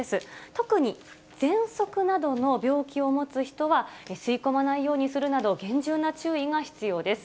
特に、ぜんそくなどの病気を持つ人は、吸い込まないようにするなど、厳重な注意が必要です。